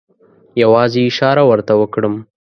یوازې اشاره ورته وکړم.